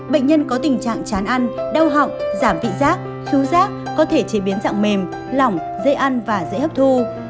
bệnh nhân có tình trạng chán ăn đau họng giảm vị giác xú giác có thể chế biến dạng mềm lỏng dễ ăn và dễ hấp thu